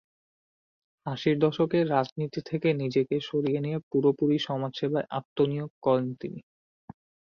আশির দশকে রাজনীতি থেকে নিজেকে সরিয়ে নিয়ে পুরোপুরি সমাজসেবায় আত্মনিয়োগ করেন তিনি।